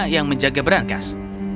yang menjaga perankas